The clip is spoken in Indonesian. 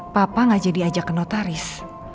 papa gak jadi ajak ke notaris